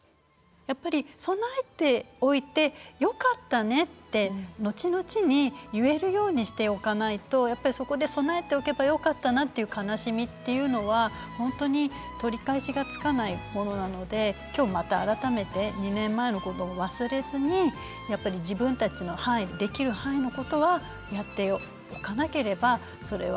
やっぱり備えておいてよかったねって後々に言えるようにしておかないとやっぱりそこで備えておけばよかったなっていう悲しみっていうのは本当に取り返しがつかないものなので今日また改めて２年前のことを忘れずにやっぱり自分たちの範囲できる範囲のことはやっておかなければそれはもういけないのかなって。